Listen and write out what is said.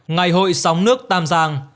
ngày hội sóng nước tam giang